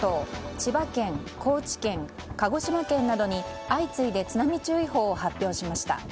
千葉県、高知県、鹿児島県などに相次いで津波注意報を発表しました。